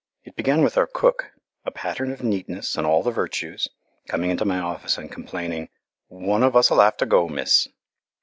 It began with our cook, a pattern of neatness and all the virtues, coming into my office and complaining, "One of us'll have to go, miss."